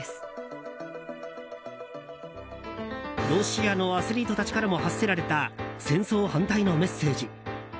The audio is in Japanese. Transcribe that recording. ロシアのアスリートたちからも発せられた戦争反対のメッセージ。